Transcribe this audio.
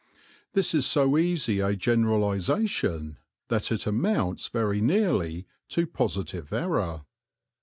This is so easy a generalisation that it amounts very nearly to positive error.